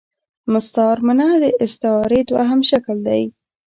مستعارمنه د ا ستعارې دوهم شکل دﺉ.